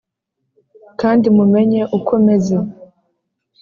kandi mumenye uko meze: